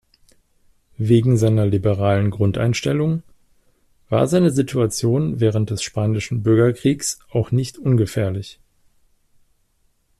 Wegen seiner liberalen Grundeinstellung war seine Situation während des Spanischen Bürgerkriegs auch nicht ungefährlich.